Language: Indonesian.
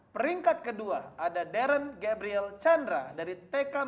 peringkat kedua ada darren gabriel chandra dari tk metodis bintang